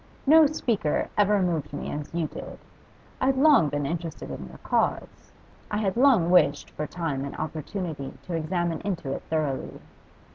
No speaker ever moved me as you did. I had long been interested in your cause; I had long wished for time and opportunity to examine into it thoroughly.